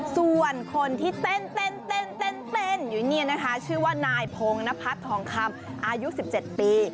ส่วนคนที่เต้นอยู่นี่นะคะชื่อว่านายพงนพัฒน์ทองคำอายุ๑๗ปี